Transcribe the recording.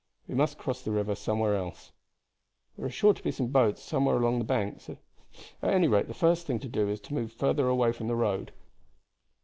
We must cross the river somewhere else. There are sure to be some boats somewhere along the banks; at any rate, the first thing to do is to move further away from the road."